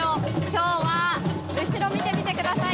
今日は後ろを見てみてください。